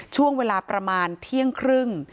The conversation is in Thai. ช่วงเวลาประมาณเที่ยงครึ่ง